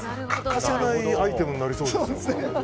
欠かせないアイテムになりそうですね。